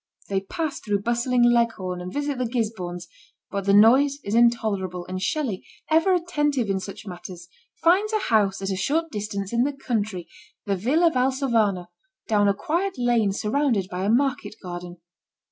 They pass through bustling Leghorn, and visit the Gisbornes, but the noise is intolerable, and Shelley, ever attentive in such matters, finds a house at a short distance in the country, the Villa Valsovano, down a quiet lane surrounded by a market garden.